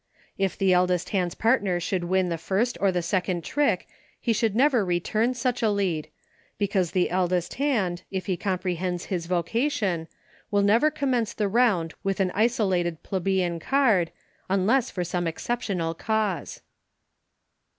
If the eldest hand's partner should win the first or the second trick he should never return such a lead, because the eldest hand, if he comprehends his vocation, will never commence the round with an iso lated plebeian card, unless for some excep tional cause.